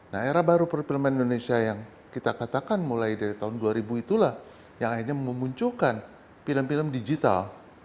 nah era baru perfilman indonesia yang kita katakan mulai dari tahun dua ribu itulah yang akhirnya memunculkan film film digital